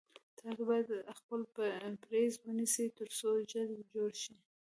تاسو باید خپل پریز ونیسی تر څو ژر جوړ شی